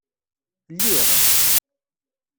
Lliɣ?